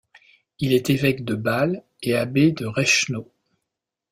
Il est évêque de Bâle et abbé de Reichenau.